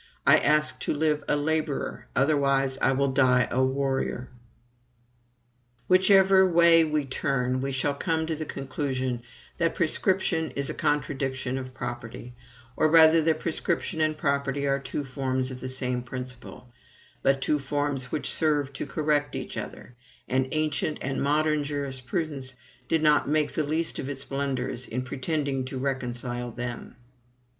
I ask to live a laborer; otherwise I will die a warrior. Whichever way we turn, we shall come to the conclusion that prescription is a contradiction of property; or rather that prescription and property are two forms of the same principle, but two forms which serve to correct each other; and ancient and modern jurisprudence did not make the least of its blunders in pretending to reconcile them.